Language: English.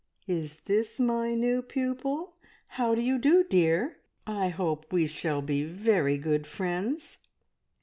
"Is this my new pupil? How do you do, dear? I hope we shall be very good friends!"